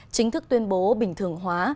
chính thức tuyên bố bình thường hóa